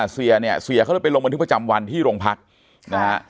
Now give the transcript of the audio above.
เสียเนี่ยเสียเขาเลยไปลงบันทึกประจำวันที่โรงพักนะฮะ